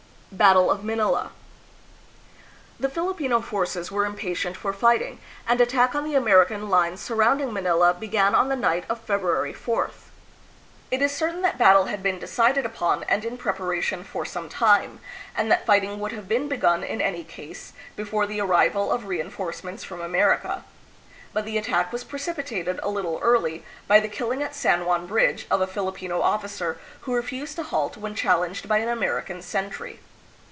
Battle of Manila. The Filipino forces were impatient for fighting, and attack on the American lines surrounding Manila began on the night of February 4th. It is certain that battle had been decided upon and in preparation for some time, and that fighting would have been begun in any case, before the arrival of reinforcements from America; but the at tack was precipitated a little early by the killing at San Juan Bridge of a Filipino officer who refused to halt when challenged by an American sentry.